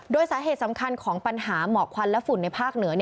โดยสาเหตุสำคัญของปัญหาหมอกควันและฝุ่นในภาคเหนือ